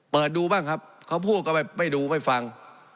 เปิดดูบ้างครับเขาพูดก็ไม่ดูไม่ฟัง